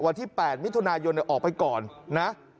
วันที่๘มิถุนายนออกไปก่อนนะ